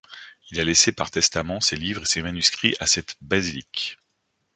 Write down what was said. Il a laissé par testament ses livres et ses manuscripts à cette basilique.